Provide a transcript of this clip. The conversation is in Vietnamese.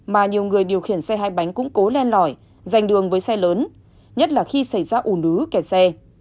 mà nhiều người điều khiển xe hai bánh cũng cố len lỏi dành đường với xe lớn nhất là khi xảy ra ủ nứ kẹt xe